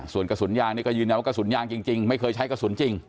ส่วนกระสุนยางนี่ก็ยืนยันว่ากระสุนยางจริงไม่เคยใช้กระสุนจริง